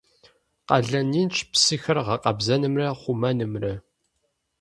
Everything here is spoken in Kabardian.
Къалэн инщ псыхэр гъэкъэбзэнымрэ хъумэнымрэ.